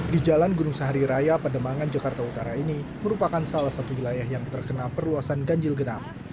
di jalan gunung sahari raya pademangan jakarta utara ini merupakan salah satu wilayah yang terkena perluasan ganjil genap